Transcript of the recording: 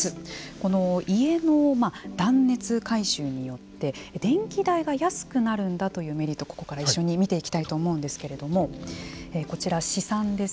この家の断熱改修によって電気代が安くなるんだというメリットをここから一緒に見ていきたいと思うんですけれどもこちら、試算です。